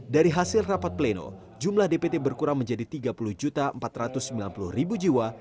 dari hasil rapat pleno jumlah dpt berkurang menjadi tiga puluh empat ratus sembilan puluh jiwa